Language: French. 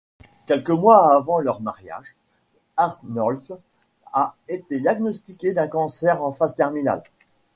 Quelques mois avant leur mariage, Arnholz a été diagnostiqué d'un cancer en phase terminale.